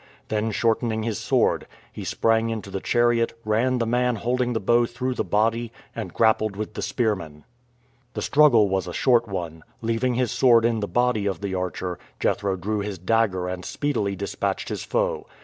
Then shortening his sword, he sprang into the chariot, ran the man holding the bow through the body, and grappled with the spearman. The struggle was a short one. Leaving his sword in the body of the archer, Jethro drew his dagger and speedily dispatched his foe.